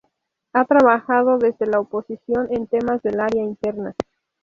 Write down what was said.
Ha trabajado desde la oposición en temas del Área Interna.